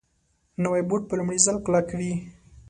نوی بوټ په لومړي ځل کلک وي